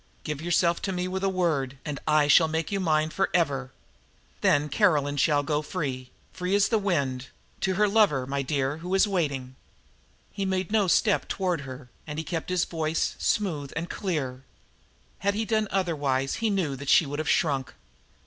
Give yourself to me with a word, and I shall make you mine forever. Then Caroline shall go free free as the wind to her lover, my dear, who is waiting." He made no step toward her, and he kept his voice smooth and clear. Had he done otherwise he knew that she would have shrunk.